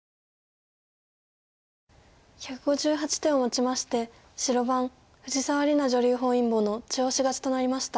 １５８手をもちまして白番藤沢里菜女流本因坊の中押し勝ちとなりました。